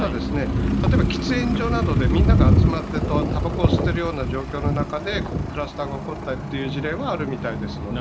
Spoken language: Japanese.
ただ、喫煙所などでみんなが集まってたばこを吸っているような状況の中でクラスターが起こったという事例はあるみたいですので。